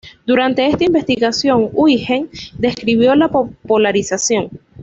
Durante esta investigación Huygens descubrió la polarización.